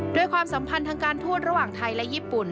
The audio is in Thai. ความสัมพันธ์ทางการทูตระหว่างไทยและญี่ปุ่น